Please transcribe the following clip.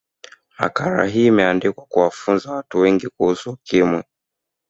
makala hii imeandikwa kuwafunza watu wengi kuhusu ukimwi